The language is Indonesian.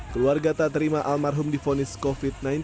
keluarga tak terima almarhum difonis covid sembilan belas